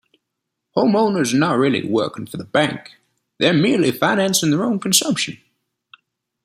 Homeowners are not really "working for the bank"; they're merely financing their own consumption.